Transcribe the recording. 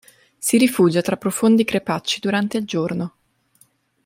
Si rifugia tra profondi crepacci durante il giorno.